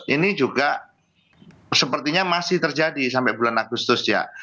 ini juga sepertinya masih terjadi sampai bulan agustus ya